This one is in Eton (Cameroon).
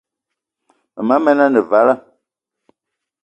Mema men ane vala,